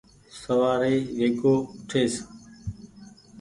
سوآري ويڳو اُٺيس۔